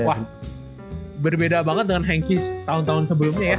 wah berbeda banget dengan henki tahun tahun sebelumnya ya